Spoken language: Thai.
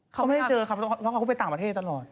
เขาไม่ได้เจอครับเพราะเขาก็ไปต่างประเทศตลอด